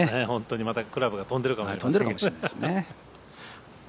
またクラブが飛んでるかもしれない。